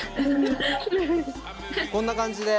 こんな感じで！